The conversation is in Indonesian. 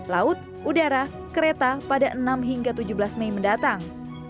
laut udara kereta pada enam hingga tujuh belas mei mendatang